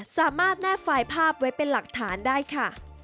สามารถแนบไฟล์ภาพไว้เป็นหลักฐานได้ค่ะ